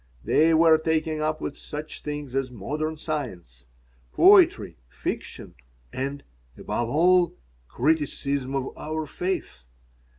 They were taken up with such things as modern science, poetry, fiction, and, above all, criticism of our faith.